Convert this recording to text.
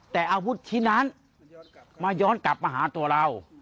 แต่อาวุธชิ้นนั้นมาย้อนกลับมาหาตัวเรา